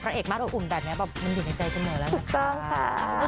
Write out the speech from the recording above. เพราะเอกมากอุ่มแบบนี้มันอยู่ในใจฉันเหมือนแล้วนะครับ